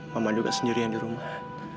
mama juga sendirian di rumah